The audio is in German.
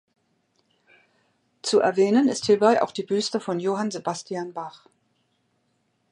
Zu erwähnen ist hierbei auch die Büste von Johann Sebastian Bach.